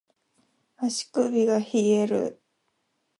足首が冷える